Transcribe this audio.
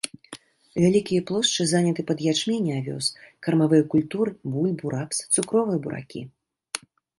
Вялікія плошчы заняты пад ячмень і авёс, кармавыя культуры, бульбу, рапс, цукровыя буракі.